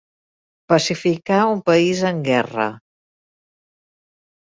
Pacificar un país en guerra.